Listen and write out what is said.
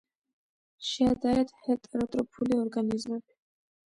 შეადარეთ ჰეტეროტროფული ორგანიზმები.